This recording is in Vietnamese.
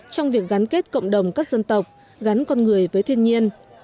trong việc gắn kết cộng đồng các dân tộc gắn con người với thiên nhiên